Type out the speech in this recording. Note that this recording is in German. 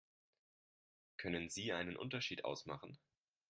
Können Sie einen Unterschied ausmachen?